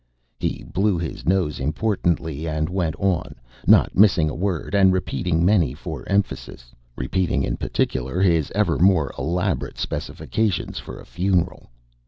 He blew his nose importantly and went on, not missing a word, and repeating many for emphasis repeating in particular his ever more elaborate specifications for a funeral.